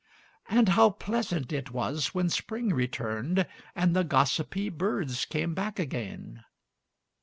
And how pleasant it was when spring returned, and the gossipy birds came back again!